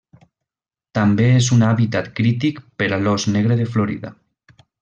També és un hàbitat crític per l'ós negre de Florida.